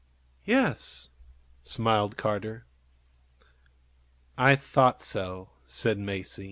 "Yes," smiled Carter. "I thought so," said Masie.